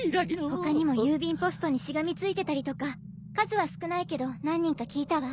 他にも郵便ポストにしがみついてたりとか数は少ないけど何人か聞いたわ。